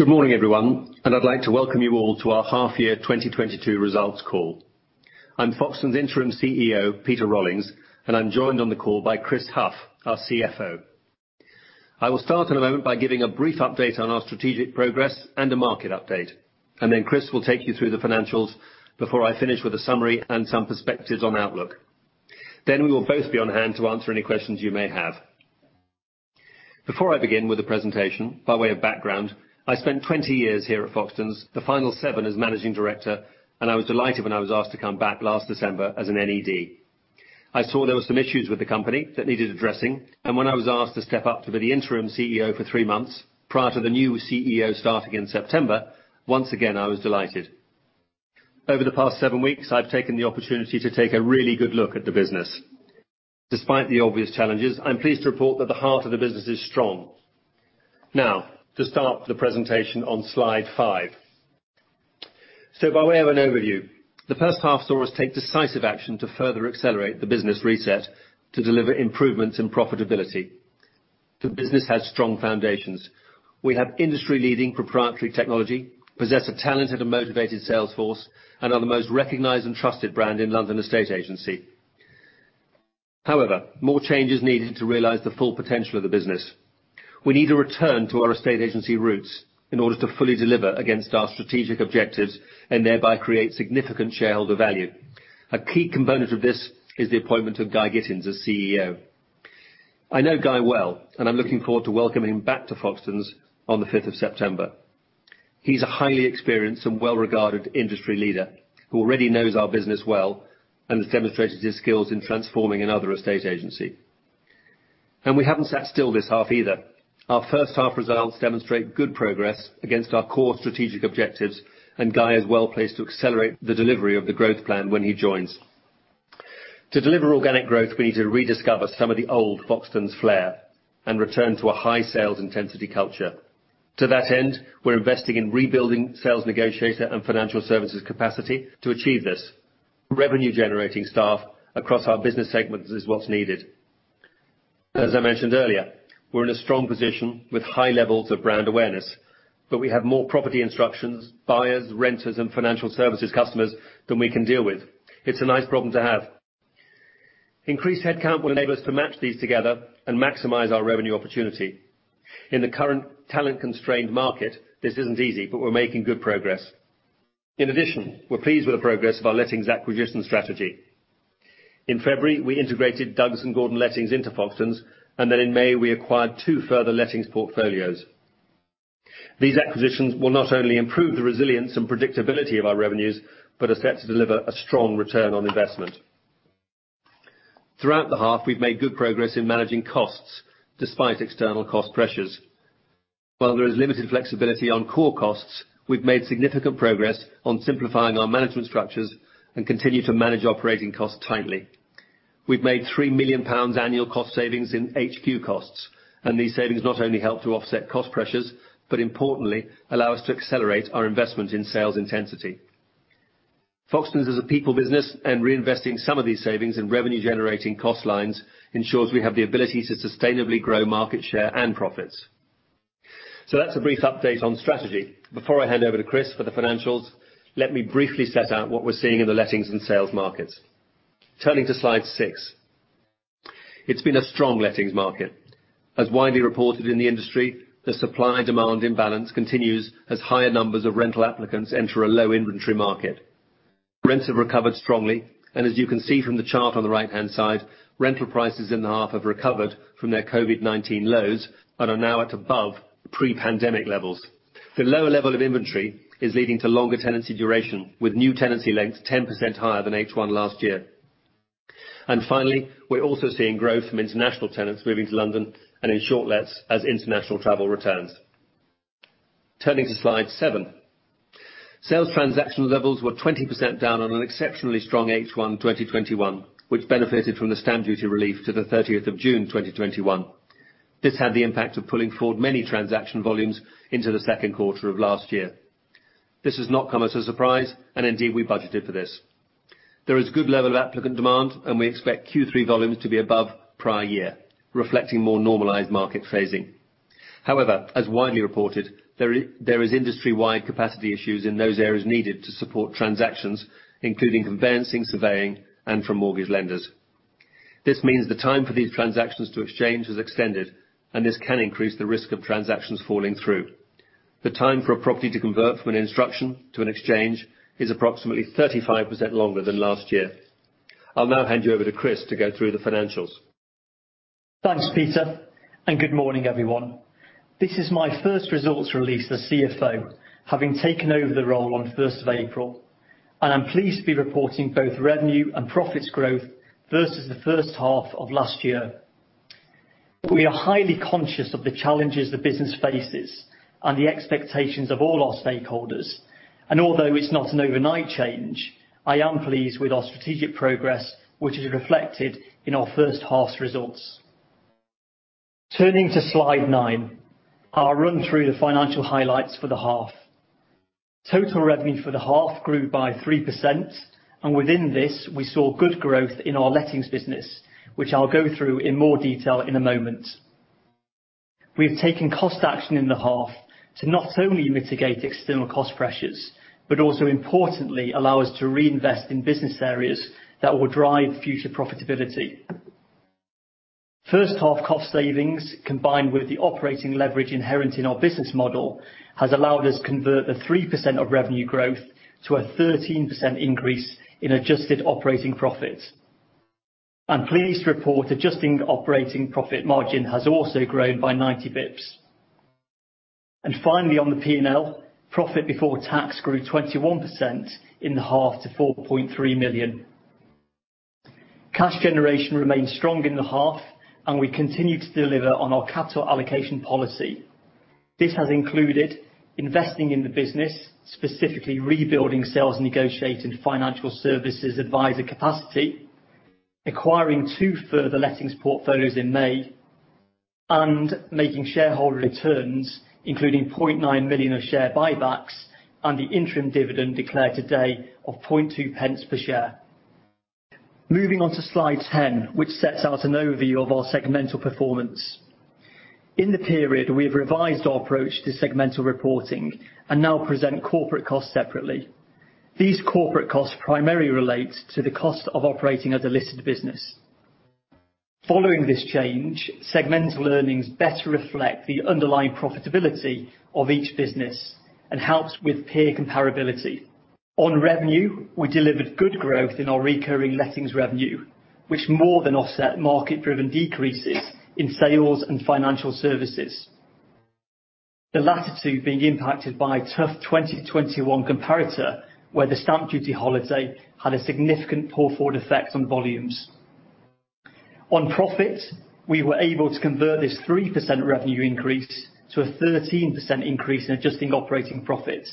Good morning, everyone, and I'd like to welcome you all to our half year 2022 results call. I'm Foxtons' Interim CEO, Peter Rollings, and I'm joined on the call by Chris Hough, our CFO. I will start in a moment by giving a brief update on our strategic progress and a market update, and then Chris will take you through the financials before I finish with a summary and some perspectives on outlook. We will both be on hand to answer any questions you may have. Before I begin with the presentation, by way of background, I spent 20 years here at Foxtons', the final seven as managing director, and I was delighted when I was asked to come back last December as an NED. I saw there was some issues with the company that needed addressing, and when I was asked to step up to be the interim CEO for 3 months, prior to the new CEO starting in September, once again, I was delighted. Over the past seven weeks, I've taken the opportunity to take a really good look at the business. Despite the obvious challenges, I'm pleased to report that the heart of the business is strong. Now, to start the presentation on slide five. By way of an overview, the first half saw us take decisive action to further accelerate the business reset to deliver improvements in profitability. The business has strong foundations. We have industry-leading proprietary technology, possess a talented and motivated sales force, and are the most recognized and trusted brand in London estate agency. However, more change is needed to realize the full potential of the business. We need to return to our estate agency roots in order to fully deliver against our strategic objectives and thereby create significant shareholder value. A key component of this is the appointment of Guy Gittins as CEO. I know Guy well, and I'm looking forward to welcoming him back to Foxtons on the fifth of September. He's a highly experienced and well-regarded industry leader who already knows our business well and has demonstrated his skills in transforming another estate agency. We haven't sat still this half either. Our first half results demonstrate good progress against our core strategic objectives, and Guy is well-placed to accelerate the delivery of the growth plan when he joins. To deliver organic growth, we need to rediscover some of the old Foxtons flair and return to a high sales intensity culture. To that end, we're investing in rebuilding sales negotiator and financial services capacity to achieve this. Revenue-generating staff across our business segments is what's needed. As I mentioned earlier, we're in a strong position with high levels of brand awareness, but we have more property instructions, buyers, renters, and financial services customers than we can deal with. It's a nice problem to have. Increased headcount will enable us to match these together and maximize our revenue opportunity. In the current talent-constrained market, this isn't easy, but we're making good progress. In addition, we're pleased with the progress of our lettings acquisition strategy. In February, we integrated Douglas & Gordon Lettings into Foxtons, and then in May, we acquired two further lettings portfolios. These acquisitions will not only improve the resilience and predictability of our revenues, but are set to deliver a strong return on investment. Throughout the half, we've made good progress in managing costs despite external cost pressures. While there is limited flexibility on core costs, we've made significant progress on simplifying our management structures and continue to manage operating costs tightly. We've made 3 million pounds annual cost savings in HQ costs, and these savings not only help to offset cost pressures, but importantly, allow us to accelerate our investment in sales intensity. Foxtons is a people business and reinvesting some of these savings in revenue generating cost lines ensures we have the ability to sustainably grow market share and profits. That's a brief update on strategy. Before I hand over to Chris for the financials, let me briefly set out what we're seeing in the lettings and sales markets. Turning to slide six. It's been a strong lettings market. As widely reported in the industry, the supply/demand imbalance continues as higher numbers of rental applicants enter a low inventory market. Rents have recovered strongly, and as you can see from the chart on the right-hand side, rental prices in the half have recovered from their COVID-19 lows and are now at above pre-pandemic levels. The lower level of inventory is leading to longer tenancy duration, with new tenancy lengths 10% higher than H1 last year. Finally, we're also seeing growth from international tenants moving to London and in short lets as international travel returns. Turning to slide seven. Sales transaction levels were 20% down on an exceptionally strong H1 2021, which benefited from the stamp duty relief to the 30th of June 2021. This had the impact of pulling forward many transaction volumes into the second quarter of last year. This has not come as a surprise, and indeed, we budgeted for this. There is good level of applicant demand, and we expect Q3 volumes to be above prior year, reflecting more normalized market phasing. However, as widely reported, there is industry-wide capacity issues in those areas needed to support transactions, including conveyancing, surveying, and from mortgage lenders. This means the time for these transactions to exchange has extended, and this can increase the risk of transactions falling through. The time for a property to convert from an instruction to an exchange is approximately 35% longer than last year. I'll now hand you over to Chris to go through the financials. Thanks, Peter. Good morning, everyone. This is my first results release as CFO, having taken over the role on 1st of April, and I'm pleased to be reporting both revenue and profits growth versus the first half of last year. We are highly conscious of the challenges the business faces and the expectations of all our stakeholders. Although it's not an overnight change, I am pleased with our strategic progress, which is reflected in our first half's results. Turning to slide nine, I'll run through the financial highlights for the half. Total revenue for the half grew by 3%, and within this, we saw good growth in our lettings business, which I'll go through in more detail in a moment. We have taken cost action in the half to not only mitigate external cost pressures, but also importantly, allow us to reinvest in business areas that will drive future profitability. First half cost savings, combined with the operating leverage inherent in our business model, has allowed us to convert the 3% revenue growth to a 13% increase in adjusted operating profit. I'm pleased to report adjusted operating profit margin has also grown by 90 basis points. Finally, on the P&L, profit before tax grew 21% in the half to 4.3 million. Cash generation remained strong in the half, and we continued to deliver on our capital allocation policy. This has included investing in the business, specifically rebuilding Sales, negotiating Financial Services advisor capacity, acquiring 2 further Lettings portfolios in May, and making shareholder returns, including 0.9 million of share buybacks and the interim dividend declared today of 0.002 per share. Moving on to slide 10, which sets out an overview of our segmental performance. In the period, we have revised our approach to segmental reporting and now present corporate costs separately. These corporate costs primarily relate to the cost of operating as a listed business. Following this change, segmental earnings better reflect the underlying profitability of each business and helps with peer comparability. On revenue, we delivered good growth in our recurring Lettings revenue, which more than offset market-driven decreases in Sales and Financial Services. The latter two being impacted by tough 2021 comparator, where the stamp duty holiday had a significant pull-forward effect on volumes. On profit, we were able to convert this 3% revenue increase to a 13% increase in adjusting operating profit,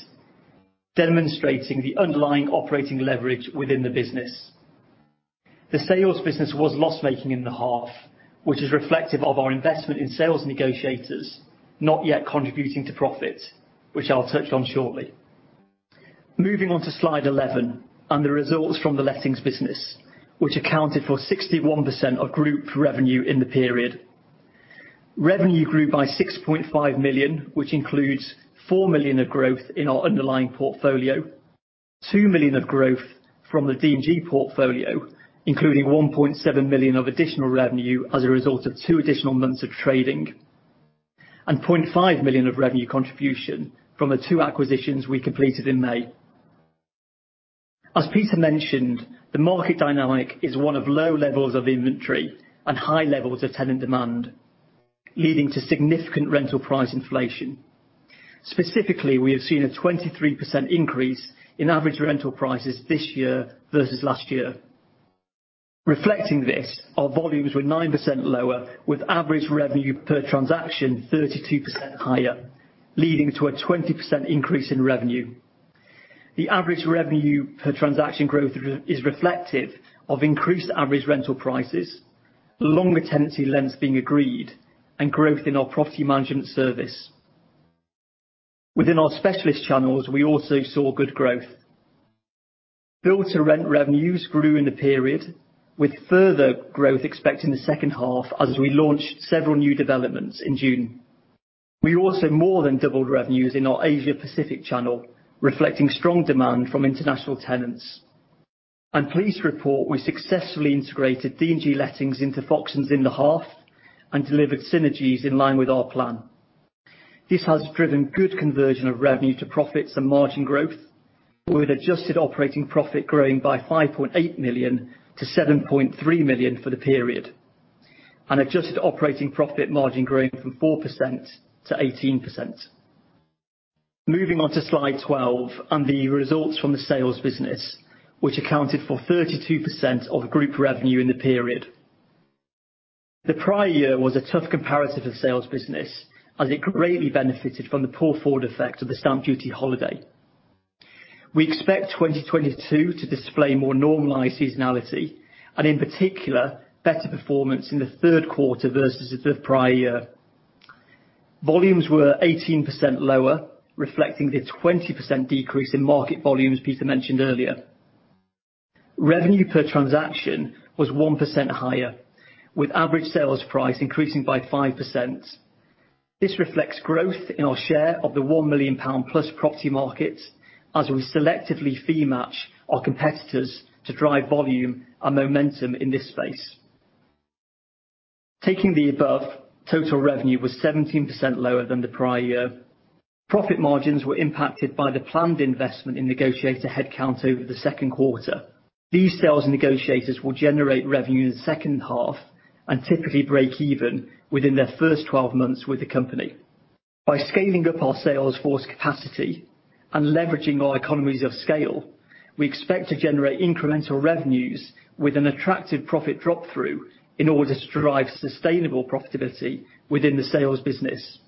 demonstrating the underlying operating leverage within the business. The sales business was loss-making in the half, which is reflective of our investment in sales negotiators, not yet contributing to profit, which I'll touch on shortly. Moving on to slide 11 and the results from the lettings business, which accounted for 61% of group revenue in the period. Revenue grew by 6.5 million, which includes 4 million of growth in our underlying portfolio, 2 million of growth from the D&G portfolio, including 1.7 million of additional revenue as a result of 2 additional months of trading, and 0.5 million of revenue contribution from the 2 acquisitions we completed in May. As Peter mentioned, the market dynamic is one of low levels of inventory and high levels of tenant demand, leading to significant rental price inflation. Specifically, we have seen a 23% increase in average rental prices this year versus last year. Reflecting this, our volumes were 9% lower with average revenue per transaction 32% higher, leading to a 20% increase in revenue. The average revenue per transaction growth is reflective of increased average rental prices, longer tenancy lengths being agreed, and growth in our property management service. Within our specialist channels, we also saw good growth. Build-to-rent revenues grew in the period with further growth expected in the second half as we launched several new developments in June. We also more than doubled revenues in our Asia Pacific channel, reflecting strong demand from international tenants. I'm pleased to report we successfully integrated D&G Lettings into Foxtons in the half and delivered synergies in line with our plan. This has driven good conversion of revenue to profits and margin growth, with adjusted operating profit growing by 5.8 million to 7.3 million for the period. An adjusted operating profit margin growing from 4% to 18%. Moving on to slide 12 and the results from the sales business, which accounted for 32% of group revenue in the period. The prior year was a tough comparative for sales business as it greatly benefited from the pull-forward effect of the stamp duty holiday. We expect 2022 to display more normalized seasonality and, in particular, better performance in the third quarter versus the prior year. Volumes were 18% lower, reflecting the 20% decrease in market volumes Peter mentioned earlier. Revenue per transaction was 1% higher, with average sales price increasing by 5%. This reflects growth in our share of the 1 million pound plus property markets as we selectively fee match our competitors to drive volume and momentum in this space. Taking the above, total revenue was 17% lower than the prior year. Profit margins were impacted by the planned investment in negotiator headcount over the second quarter. These sales negotiators will generate revenue in the second half and typically break even within their first 12 months with the company. By scaling up our sales force capacity and leveraging our economies of scale, we expect to generate incremental revenues with an attractive profit drop through in order to drive sustainable profitability within the Sales business.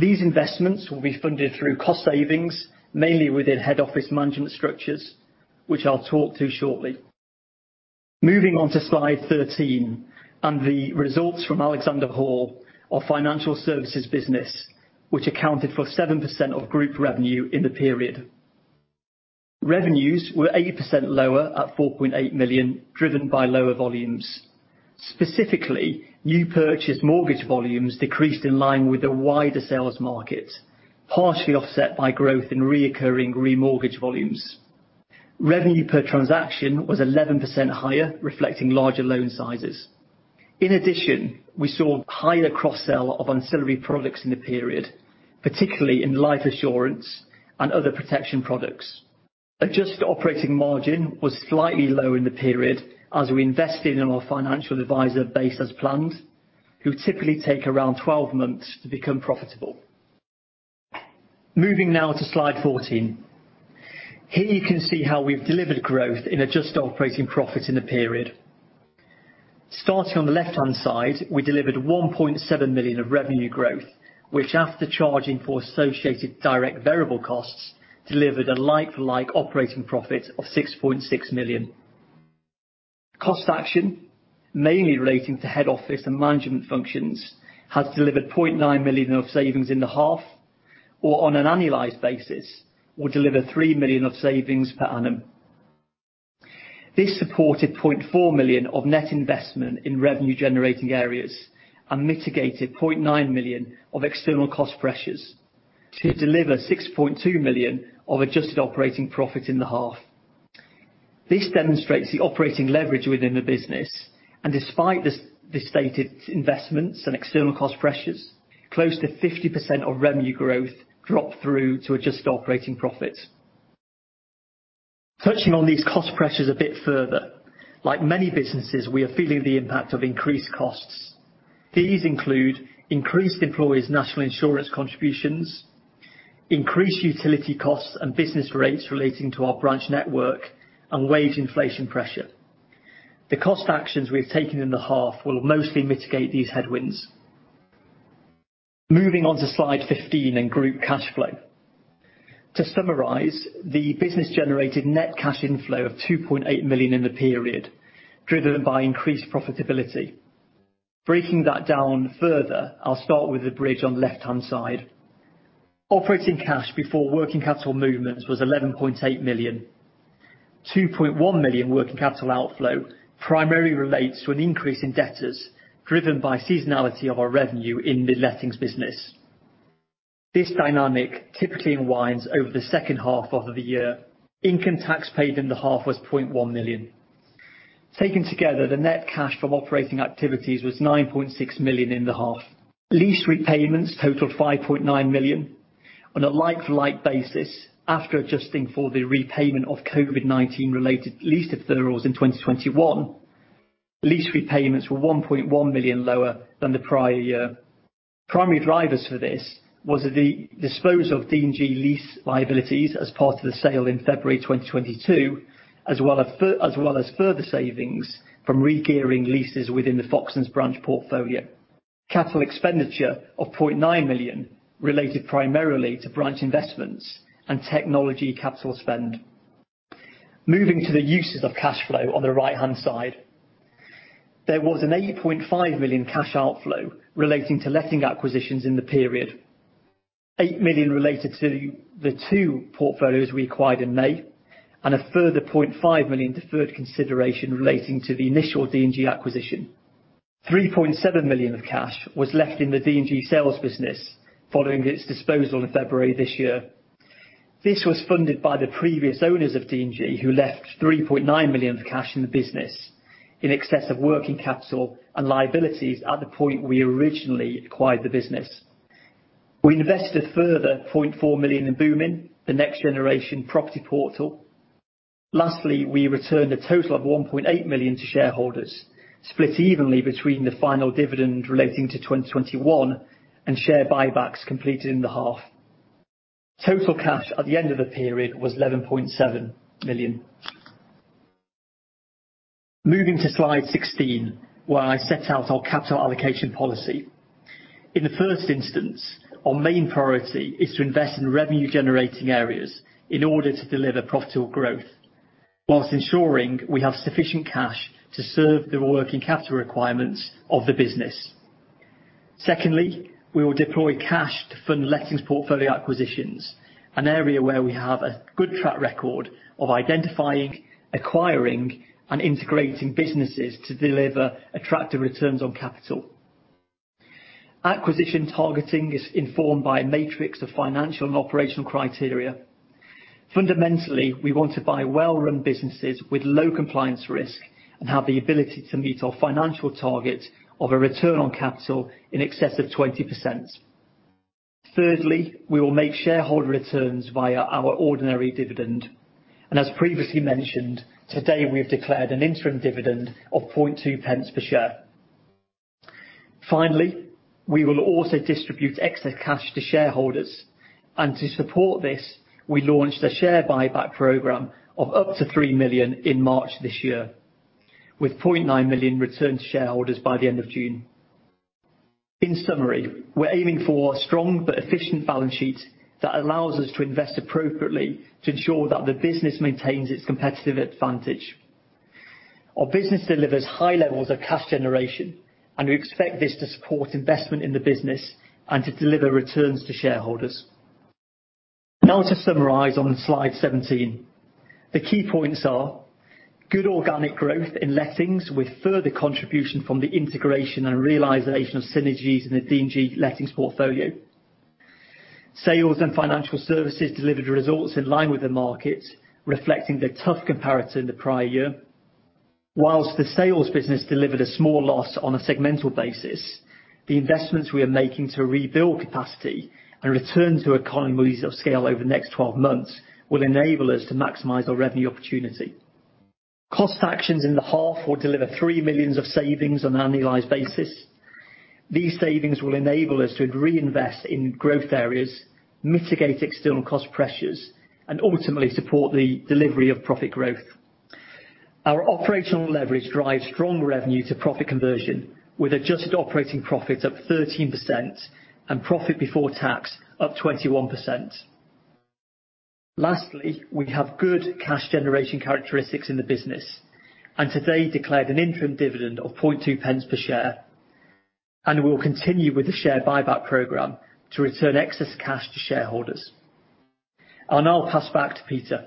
These investments will be funded through cost savings, mainly within head office management structures, which I'll talk to shortly. Moving on to slide 13, and the results from Alexander Hall, our Financial Services business, which accounted for 7% of group revenue in the period. Revenues were 80% lower at 4.8 million, driven by lower volumes. Specifically, new purchase mortgage volumes decreased in line with the wider sales market, partially offset by growth in recurring remortgage volumes. Revenue per transaction was 11% higher, reflecting larger loan sizes. In addition, we saw higher cross-sell of ancillary products in the period, particularly in life assurance and other protection products. Adjusted operating margin was slightly lower in the period as we invested in our financial advisor base as planned, who typically take around 12 months to become profitable. Moving now to slide 14. Here you can see how we've delivered growth in adjusted operating profit in the period. Starting on the left-hand side, we delivered 1.7 million of revenue growth, which after charging for associated direct variable costs, delivered a like-for-like operating profit of 6.6 million. Cost action, mainly relating to head office and management functions, has delivered 0.9 million of savings in the half, or on an annualized basis, will deliver 3 million of savings per annum. This supported 0.4 million of net investment in revenue generating areas and mitigated 0.9 million of external cost pressures to deliver 6.2 million of adjusted operating profit in the half. This demonstrates the operating leverage within the business, and despite the stated investments and external cost pressures, close to 50% of revenue growth dropped through to adjusted operating profit. Touching on these cost pressures a bit further, like many businesses, we are feeling the impact of increased costs. These include increased employees' national insurance contributions, increased utility costs and business rates relating to our branch network and wage inflation pressure. The cost actions we have taken in the half will mostly mitigate these headwinds. Moving on to slide 15 in group cash flow. To summarize, the business generated net cash inflow of 2.8 million in the period, driven by increased profitability. Breaking that down further, I'll start with the bridge on left-hand side. Operating cash before working capital movements was 11.8 million. 2.1 million working capital outflow primarily relates to an increase in debtors, driven by seasonality of our revenue in the lettings business. This dynamic typically unwinds over the second half of the year. Income tax paid in the half was 0.1 million. Taken together, the net cash from operating activities was 9.6 million in the half. Lease repayments totaled 5.9 million on a like-for-like basis after adjusting for the repayment of COVID-19 related lease deferrals in 2021. Lease repayments were 1.1 million lower than the prior year. Primary drivers for this was the disposal of D&G lease liabilities as part of the sale in February 2022, as well as As well as further savings from regearing leases within the Foxtons Branch portfolio. Capital expenditure of 0.9 million related primarily to branch investments and technology capital spend. Moving to the uses of cash flow on the right-hand side. There was a 8.5 million cash outflow relating to lettings acquisitions in the period. 8 million related to the two portfolios we acquired in May, and a further 0.5 million deferred consideration relating to the initial D&G acquisition. 3.7 million of cash was left in the D&G sales business following its disposal in February this year. This was funded by the previous owners of D&G, who left 3.9 million of cash in the business in excess of working capital and liabilities at the point we originally acquired the business. We invested further 0.4 million in Boomin, the next generation property portal. Lastly, we returned a total of 1.8 million to shareholders, split evenly between the final dividend relating to 2021 and share buybacks completed in the half. Total cash at the end of the period was 11.7 million. Moving to slide 16, where I set out our capital allocation policy. In the first instance, our main priority is to invest in revenue generating areas in order to deliver profitable growth while ensuring we have sufficient cash to serve the working capital requirements of the business. Secondly, we will deploy cash to fund lettings portfolio acquisitions, an area where we have a good track record of identifying, acquiring, and integrating businesses to deliver attractive returns on capital. Acquisition targeting is informed by a matrix of financial and operational criteria. Fundamentally, we want to buy well-run businesses with low compliance risk and have the ability to meet our financial targets of a return on capital in excess of 20%. Thirdly, we will make shareholder returns via our ordinary dividend. As previously mentioned, today we have declared an interim dividend of 0.2 pence per share. Finally, we will also distribute excess cash to shareholders. To support this, we launched a share buyback program of up to 3 million in March this year, with 0.9 million returned to shareholders by the end of June. In summary, we're aiming for a strong but efficient balance sheet that allows us to invest appropriately to ensure that the business maintains its competitive advantage. Our business delivers high levels of cash generation, and we expect this to support investment in the business and to deliver returns to shareholders. Now to summarize on slide 17, the key points are good organic growth in lettings with further contribution from the integration and realization of synergies in the D&G lettings portfolio. Sales and Financial Services delivered results in line with the market, reflecting the tough comparator in the prior year. While the Sales business delivered a small loss on a segmental basis, the investments we are making to rebuild capacity and return to economies of scale over the next 12 months will enable us to maximize our revenue opportunity. Cost actions in the half will deliver 3 million of savings on an annualized basis. These savings will enable us to reinvest in growth areas, mitigate external cost pressures, and ultimately support the delivery of profit growth. Our operational leverage drives strong revenue to profit conversion, with adjusted operating profit up 13% and profit before tax up 21%. Lastly, we have good cash generation characteristics in the business, and today declared an interim dividend of 0.002 per share, and we will continue with the share buyback program to return excess cash to shareholders. I'll now pass back to Peter.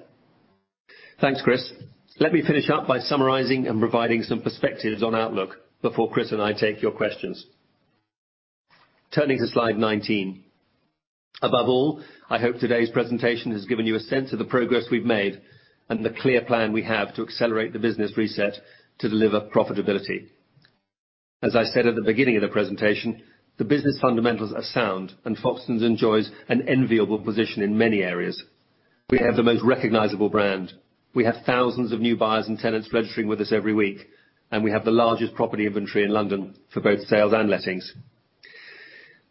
Thanks, Chris. Let me finish up by summarizing and providing some perspectives on outlook before Chris and I take your questions. Turning to slide 19. Above all, I hope today's presentation has given you a sense of the progress we've made and the clear plan we have to accelerate the business reset to deliver profitability. As I said at the beginning of the presentation, the business fundamentals are sound, and Foxtons enjoys an enviable position in many areas. We have the most recognizable brand. We have thousands of new buyers and tenants registering with us every week, and we have the largest property inventory in London for both sales and lettings.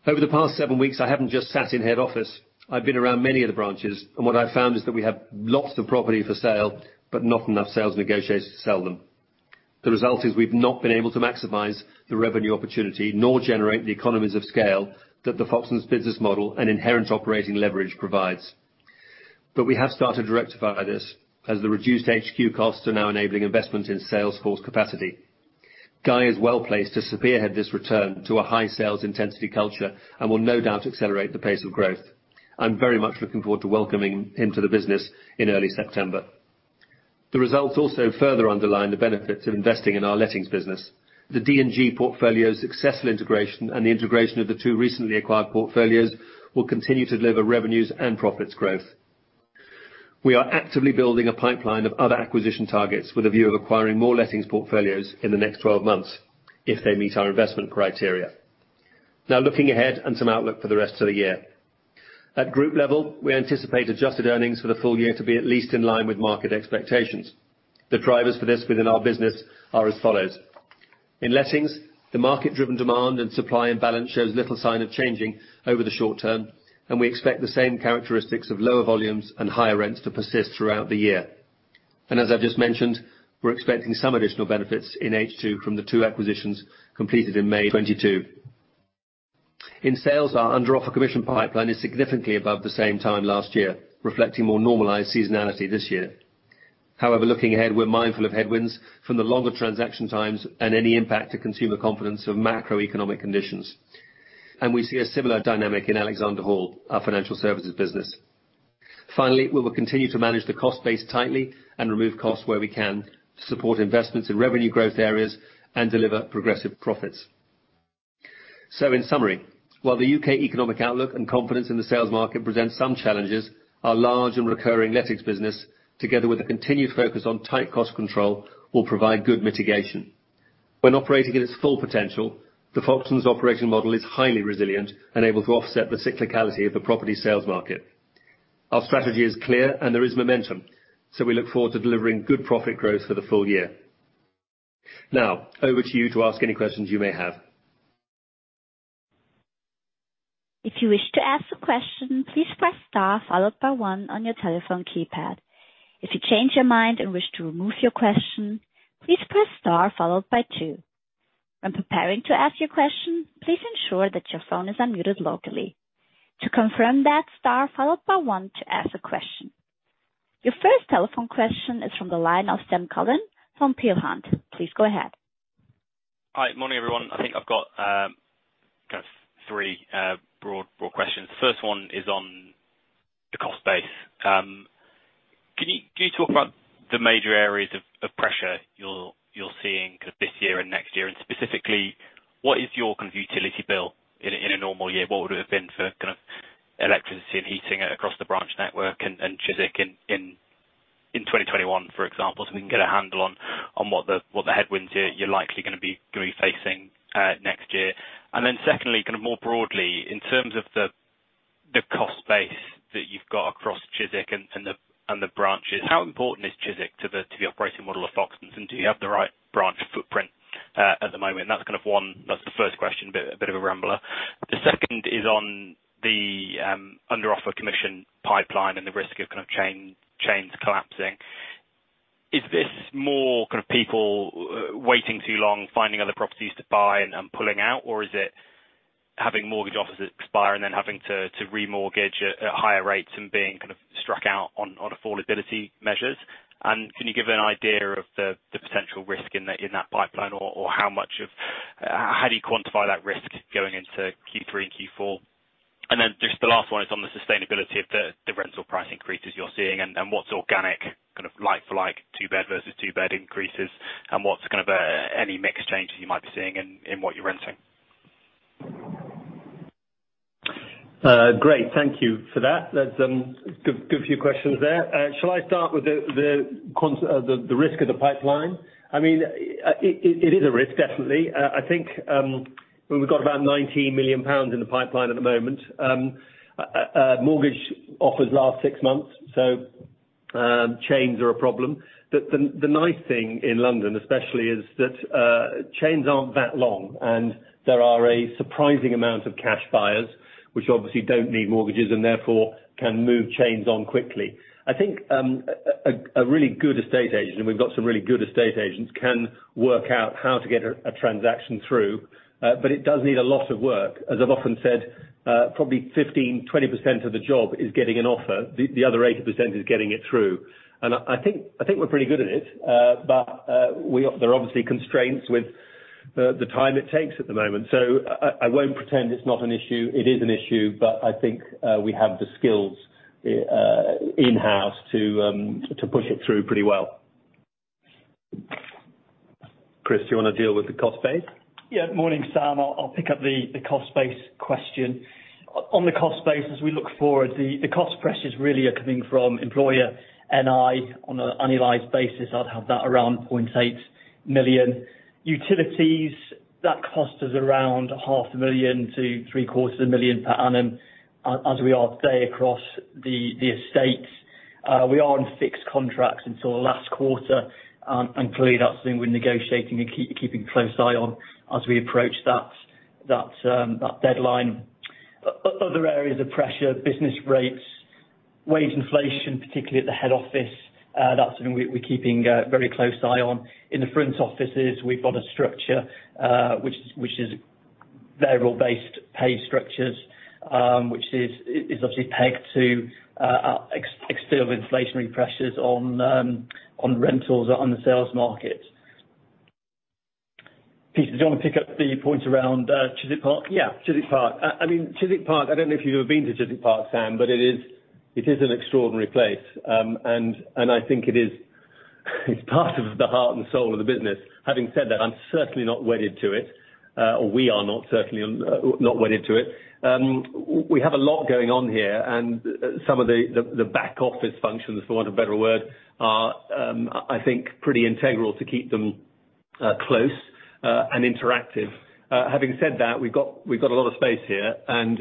Over the past seven weeks, I haven't just sat in head office. I've been around many of the branches, and what I've found is that we have lots of property for sale, but not enough sales negotiators to sell them. The result is we've not been able to maximize the revenue opportunity nor generate the economies of scale that the Foxtons business model and inherent operating leverage provides. We have started to rectify this as the reduced HQ costs are now enabling investment in sales force capacity. Guy is well placed to spearhead this return to a high sales intensity culture and will no doubt accelerate the pace of growth. I'm very much looking forward to welcoming him to the business in early September. The results also further underline the benefits of investing in our lettings business. The D&G portfolio's successful integration and the integration of the two recently acquired portfolios will continue to deliver revenues and profits growth. We are actively building a pipeline of other acquisition targets with a view of acquiring more lettings portfolios in the next 12 months if they meet our investment criteria. Now looking ahead and some outlook for the rest of the year. At group level, we anticipate adjusted earnings for the full year to be at least in line with market expectations. The drivers for this within our business are as follows. In lettings, the market-driven demand and supply and balance shows little sign of changing over the short term, and we expect the same characteristics of lower volumes and higher rents to persist throughout the year. As I've just mentioned, we're expecting some additional benefits in H2 from the two acquisitions completed in May 2022. In sales, our under offer commission pipeline is significantly above the same time last year, reflecting more normalized seasonality this year. However, looking ahead, we're mindful of headwinds from the longer transaction times and any impact to consumer confidence of macroeconomic conditions. We see a similar dynamic in Alexander Hall, our financial services business. Finally, we will continue to manage the cost base tightly and remove costs where we can to support investments in revenue growth areas and deliver progressive profits. In summary, while the U.K. economic outlook and confidence in the sales market present some challenges, our large and recurring lettings business, together with a continued focus on tight cost control, will provide good mitigation. When operating at its full potential, the Foxtons operating model is highly resilient and able to offset the cyclicality of the property sales market. Our strategy is clear and there is momentum, so we look forward to delivering good profit growth for the full year. Now over to you to ask any questions you may have. If you wish to ask a question, please press star followed by one on your telephone keypad. If you change your mind and wish to remove your question, please press star followed by two. When preparing to ask your question, please ensure that your phone is unmuted locally. To confirm that, star followed by one to ask a question. Your first telephone question is from the line of Sam Cullen from Peel Hunt. Please go ahead. Hi. Morning, everyone. I think I've got kind of three broad questions. First one is on the cost base. Can you talk about the major areas of pressure you're seeing kind of this year and next year? And specifically, what is your kind of utility bill in a normal year? What would it have been for kind of electricity and heating across the branch network and Chiswick in 2021, for example, so we can get a handle on what the headwinds you're likely gonna be facing next year? And then secondly, kind of more broadly, in terms of the cost base that you've got across Chiswick and the branches, how important is Chiswick to the operating model of Foxtons? Do you have the right branch footprint at the moment? That's kind of one. That's the first question, bit of a rambler. The second is on the under offer commission pipeline and the risk of kind of chains collapsing. Is this more kind of people waiting too long, finding other properties to buy and pulling out? Is it having mortgage offers expire and then having to remortgage at higher rates and being kind of priced out on affordability measures? Can you give an idea of the potential risk in that pipeline or how do you quantify that risk going into Q3 and Q4? Then just the last one is on the sustainability of the rental price increases you're seeing and what's organic kind of like-for-like two-bed versus two-bed increases? What's kind of any mix changes you might be seeing in what you're renting? Great. Thank you for that. That's a good few questions there. Shall I start with the risk of the pipeline? I mean, it is a risk, definitely. I think we've got about 19 million pounds in the pipeline at the moment. A mortgage offer lasts six months, so chains are a problem. The nice thing in London especially is that chains aren't that long, and there is a surprising amount of cash buyers which obviously don't need mortgages and therefore can move chains on quickly. I think a really good estate agent, and we've got some really good estate agents, can work out how to get a transaction through, but it does need a lot of work. As I've often said, probably 15-20% of the job is getting an offer. The other 80% is getting it through. I think we're pretty good at it. There are obviously constraints with the time it takes at the moment. I won't pretend it's not an issue. It is an issue, but I think we have the skills in-house to push it through pretty well. Chris, do you wanna deal with the cost base? Morning, Sam. I'll pick up the cost base question. On the cost base, as we look forward, the cost pressures really are coming from employer NI. On an annualized basis, I'd have that around 0.8 million. Utilities, that cost us around GBP half a million to three-quarters a million per annum. As we are today across the estates, we are on fixed contracts until last quarter. And clearly that's something we're negotiating and keeping a close eye on as we approach that deadline. Other areas of pressure, business rates, wage inflation, particularly at the head office, that's something we're keeping a very close eye on. In the front offices, we've got a structure which is variable-based pay structures, which is obviously pegged to external inflationary pressures on rentals on the sales market. Peter, do you wanna pick up the point around Chiswick Park? Yeah, Chiswick Park. I mean, Chiswick Park, I don't know if you've ever been to Chiswick Park, Sam, but it is an extraordinary place. I think it is part of the heart and soul of the business. Having said that, I'm certainly not wedded to it, or we are not wedded to it. We have a lot going on here and some of the back office functions, for want of a better word, are, I think, pretty integral to keep them close and interactive. Having said that, we've got a lot of space here, and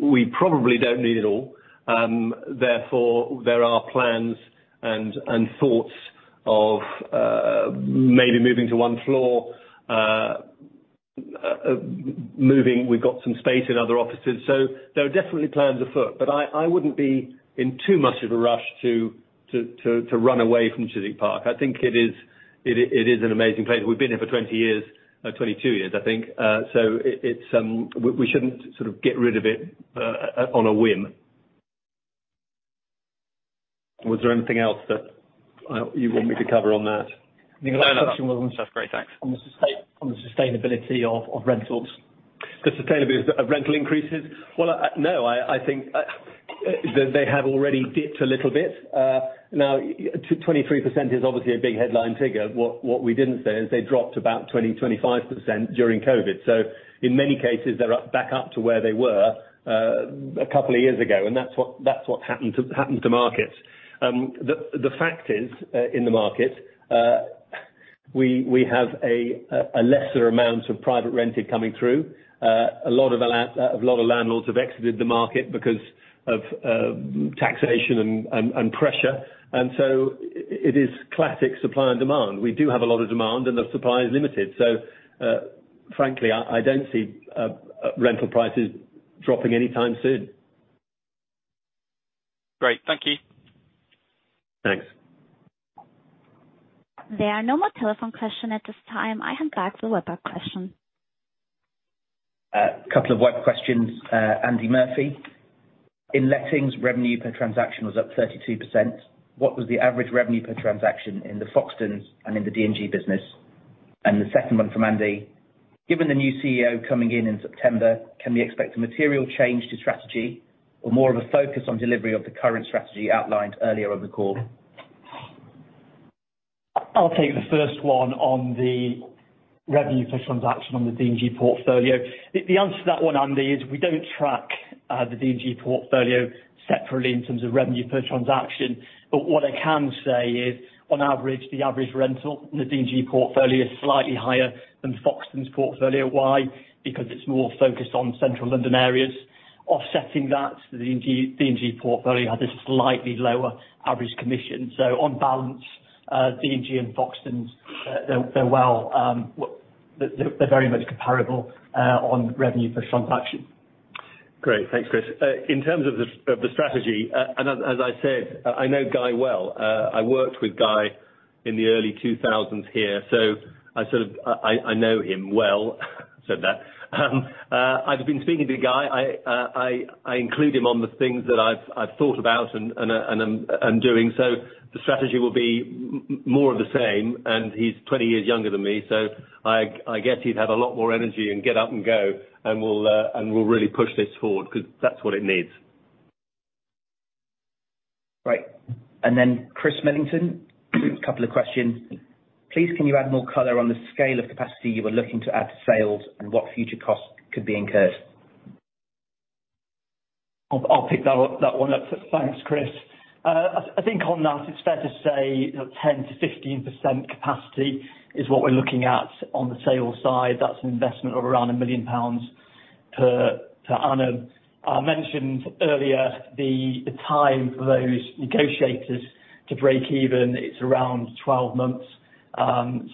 we probably don't need it all. Therefore, there are plans and thoughts of maybe moving to one floor. Moving, we've got some space in other offices, so there are definitely plans afoot. I wouldn't be in too much of a rush to run away from Chiswick Park. I think it is an amazing place. We've been here for 20 years, 22 years, I think. It's. We shouldn't sort of get rid of it on a whim. Was there anything else that, you want me to cover on that? No, no. That's great. Thanks. On the sustainability of rentals. The sustainability of rental increases? Well, no, I think they have already dipped a little bit. Now 23% is obviously a big headline figure. What we didn't say is they dropped about 25% during COVID. In many cases, they're up, back up to where they were, a couple of years ago. That's what happened to markets. The fact is, in the market, we have a lesser amount of private rented coming through. A lot of landlords have exited the market because of taxation and pressure. It is classic supply and demand. We do have a lot of demand, and the supply is limited. Frankly, I don't see rental prices dropping anytime soon. Great. Thank you. Thanks. There are no more telephone questions at this time. I hand back the web questions. Couple of web questions. Andy Murphy, in lettings, revenue per transaction was up 32%. What was the average revenue per transaction in the Foxtons and in the D&G business? The second one from Andy, given the new CEO coming in in September, can we expect a material change to strategy or more of a focus on delivery of the current strategy outlined earlier on the call? I'll take the first one on the revenue per transaction on the D&G portfolio. The answer to that one, Andy, is we don't track the D&G portfolio separately in terms of revenue per transaction. What I can say is, on average, the average rental in the D&G portfolio is slightly higher than Foxtons portfolio. Why? Because it's more focused on Central London areas. Offsetting that, the D&G portfolio has a slightly lower average commission. On balance, D&G and Foxtons, they're very much comparable on revenue per transaction. Great. Thanks, Chris. In terms of the strategy, and as I said, I know Guy well. I worked with Guy in the early 2000s here, so I know him well. I've been speaking to Guy. I include him on the things that I've thought about and doing, so the strategy will be more of the same, and he's 20 years younger than me, so I guess he'd have a lot more energy and get up and go and we'll really push this forward because that's what it needs. Right. Chris Millington, a couple of questions. Please, can you add more color on the scale of capacity you were looking to add to sales and what future costs could be incurred? I'll pick that one up. Thanks, Chris. I think on that it's fair to say 10%-15% capacity is what we're looking at on the sales side. That's an investment of around 1 million pounds per annum. I mentioned earlier the time for those negotiators to break even, it's around 12 months.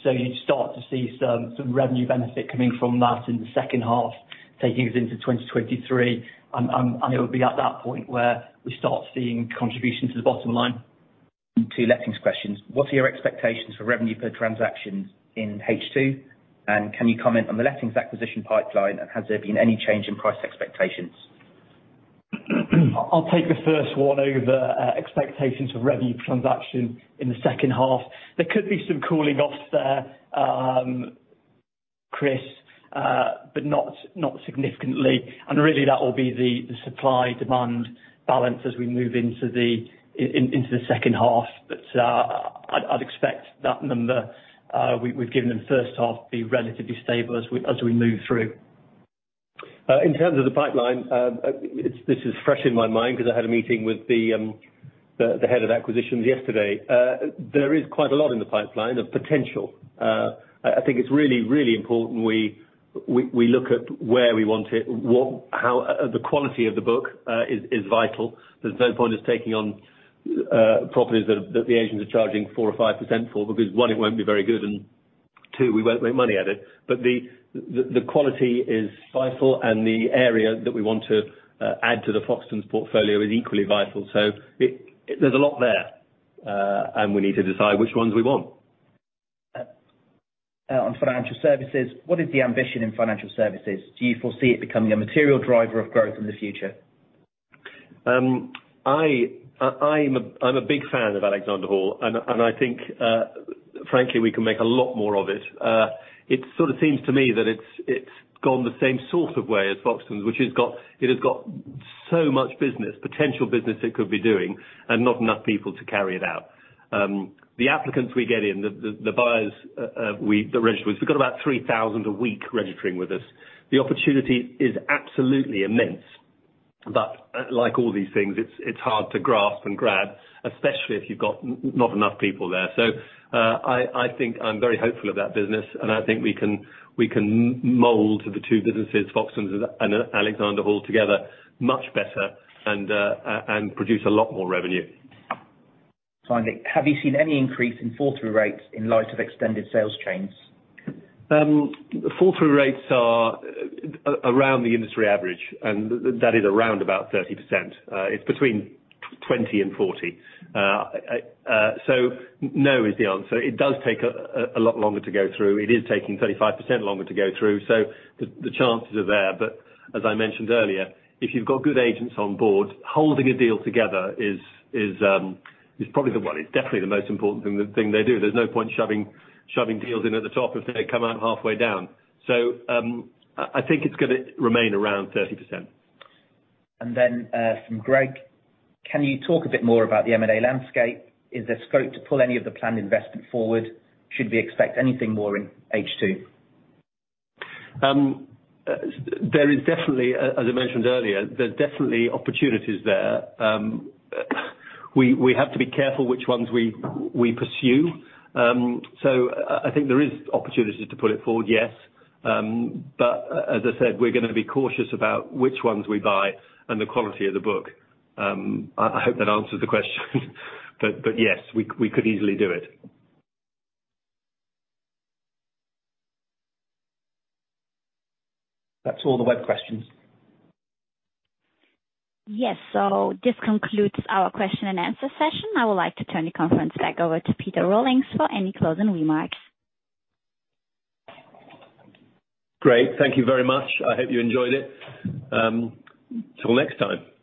You'd start to see some revenue benefit coming from that in the second half, taking us into 2023. It would be at that point where we start seeing contribution to the bottom line. Two lettings questions. What are your expectations for revenue per transactions in H2, and can you comment on the lettings acquisition pipeline, and has there been any change in price expectations? I'll take the first one over expectations of revenue transaction in the second half. There could be some cooling offs there, Chris, but not significantly. Really that will be the supply/demand balance as we move into the second half. I'd expect that number we've given in the first half be relatively stable as we move through. In terms of the pipeline, this is fresh in my mind because I had a meeting with the head of acquisitions yesterday. There is quite a lot in the pipeline of potential. I think it's really important we look at where we want it. The quality of the book is vital. There's no point just taking on properties that the agents are charging 4% or 5% for because, one, it won't be very good, and two, we won't make money at it. The quality is vital and the area that we want to add to the Foxtons portfolio is equally vital. There's a lot there, and we need to decide which ones we want. On financial services, what is the ambition in financial services? Do you foresee it becoming a material driver of growth in the future? I'm a big fan of Alexander Hall, and I think, frankly, we can make a lot more of it. It sort of seems to me that it's gone the same sort of way as Foxtons, which has got so much business, potential business it could be doing, and not enough people to carry it out. The applicants we get in, the buyers that register, we've got about 3,000 a week registering with us. The opportunity is absolutely immense. Like all these things, it's hard to grasp and grab, especially if you've got not enough people there. I think I'm very hopeful of that business, and I think we can mold the two businesses, Foxtons and Alexander Hall together much better and produce a lot more revenue. Finally, have you seen any increase in fall-through rates in light of extended sales chains? Fall-through rates are around the industry average, and that is around about 30%. It's between 20% and 40%. No is the answer. It does take a lot longer to go through. It is taking 35% longer to go through. The chances are there. As I mentioned earlier, if you've got good agents on board, holding a deal together is probably the one. It's definitely the most important thing they do. There's no point shoving deals in at the top if they come out halfway down. I think it's gonna remain around 30%. from Greg: Can you talk a bit more about the M&A landscape? Is there scope to pull any of the planned investment forward? Should we expect anything more in H2? There is definitely, as I mentioned earlier, there's definitely opportunities there. We have to be careful which ones we pursue. I think there is opportunity to pull it forward, yes. As I said, we're gonna be cautious about which ones we buy and the quality of the book. I hope that answers the question, but yes, we could easily do it. That's all the web questions. Yes. This concludes our question and answer session. I would like to turn the conference back over to Peter Rollings for any closing remarks. Great. Thank you very much. I hope you enjoyed it. Till next time.